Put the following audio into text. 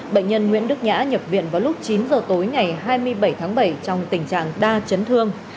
bệnh nhân nguyễn đức nhã nhập viện vào lúc chín giờ tối ngày hai mươi bảy tháng bảy trong tình trạng đa chấn thương